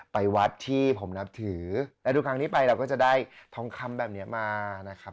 ไปวัดที่ผมนับถือและทุกครั้งที่ไปเราก็จะได้ทองคำแบบนี้มานะครับ